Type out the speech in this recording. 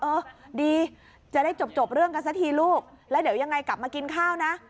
เออดีจะได้จบเรื่องกันสักทีลูกแล้วเดี๋ยวยังไงกลับมากินข้าวนะ